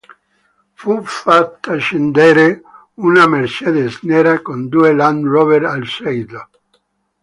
Fu fatta scendere una Mercedes nera, con due Land Rover al seguito.